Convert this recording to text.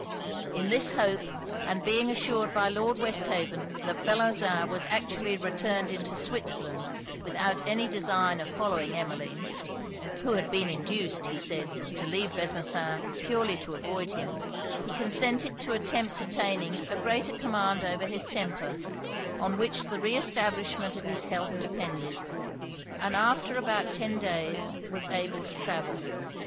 In this hope, and being assured by Lord Westhaven that Bellozane was actually returned into Switzerland without any design of following Emmeline, (who had been induced, he said, to leave Besançon purely to avoid him) he consented to attempt attaining a greater command over his temper, on which the re establishment of his health depended; and after about ten days, was able to travel.